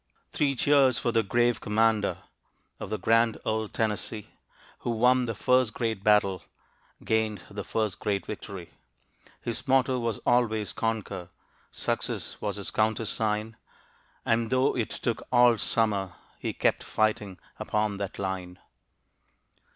Three cheers for the grave commander Of the grand old Tennessee! Who won the first great battle Gained the first great victory. His motto was always "Conquer," "Success" was his countersign, And "though it took all Summer," He kept fighting upon "that line."